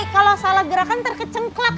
kalo salah gerakan ntar kecengklak